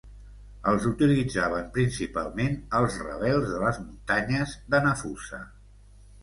Els utilitzaven principalment els rebels de les muntanyes de Nafusa.